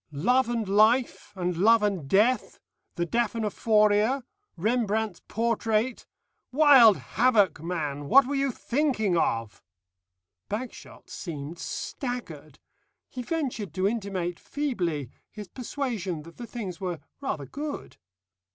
Love and Life, and Love and Death, the Daphnephoria, Rembrandt's portrait Wild Havoc, man! What were you thinking of?" Bagshot seemed staggered. He ventured to intimate feebly his persuasion that the things were rather good.